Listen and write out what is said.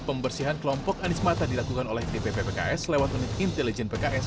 pembersihan kelompok anies mata dilakukan oleh dpp pks lewat intelijen pks